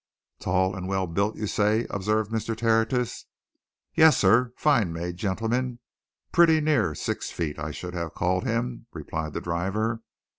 "Tall and well built, you say?" observed Mr. Tertius. "Yes, sir fine made gentleman pretty near six feet, I should have called him," replied the driver.